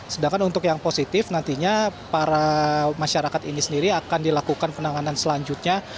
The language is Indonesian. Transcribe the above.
sedangkan untuk yang positif nantinya para masyarakat ini sendiri akan dilakukan penanganan selanjutnya